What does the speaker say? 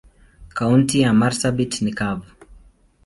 Kaunti ya marsabit ni kavu.